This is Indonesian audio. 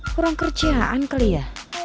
kurang kerjaan kali ya